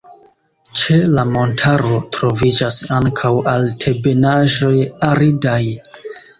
Ĉe la montaro troviĝas ankaŭ altebenaĵoj aridaj.